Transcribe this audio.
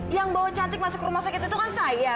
yang bawa cantik masuk rumah sakit itu kan saya